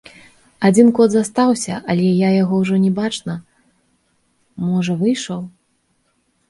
Адзін кот застаўся, але я яго ўжо не бачна, можа, выйшаў.